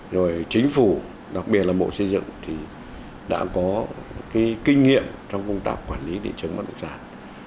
rồi chính phủ đặc biệt là bộ xây dựng thì đã có cái kinh nghiệm trong công tác quản lý thị trường bất động sản